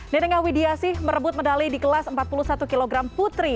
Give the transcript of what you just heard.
nenengah widiasih merebut medali di kelas empat puluh satu kg putri